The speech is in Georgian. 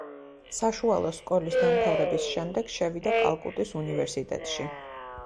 საშუალო სკოლის დამთავრების შემდეგ შევიდა კალკუტის უნივერსიტეტში.